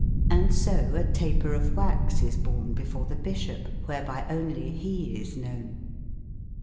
Hnd so a taper ofwax is borne before tbe bisbop, wberby onely be is knowen.